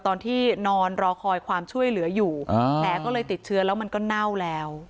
ตอนที่นอนรอคอยความช่วยเหลืออยู่แผลก็เลยติดเชื้อแล้วมันก็เน่าแล้ว